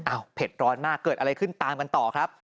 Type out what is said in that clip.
เผ็ดร้อนมากเกิดอะไรขึ้นตามกันต่อครับ